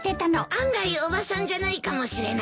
案外おばさんじゃないかもしれないよ。